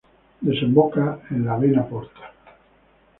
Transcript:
Desemboca en la vena porta.